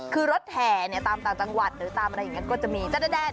คือรถแห่ตามต่างจังหวัดหรือตามอะไรอย่างนี้ก็จะมีแดน